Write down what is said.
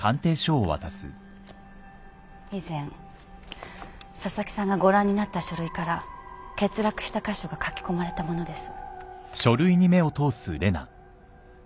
以前紗崎さんがご覧になった書類から欠落した箇所が書き込まれたものです。